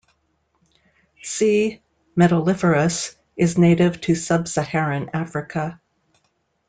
"C. metuliferus" is native to Sub-Saharan Africa.